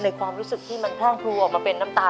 ในความรู้สึกที่มันพล่องพลู่ความเป็นน้ำตา